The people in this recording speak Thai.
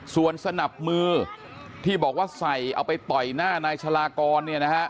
ส่วนสนับมือที่บอกว่าใส่เอาไปต่อยหน้านายฉลากร